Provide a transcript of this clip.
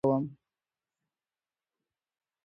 د هر ډول تکلیف له امله خپله پښیماني څرګندوم.